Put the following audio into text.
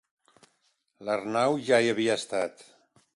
L'Arnau ja hi havia estat.